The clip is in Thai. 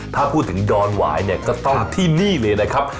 ถ้าพูดถึงดอนหวายเนี่ยก็ต้องที่นี่เลยนะครับ